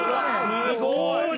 すごい！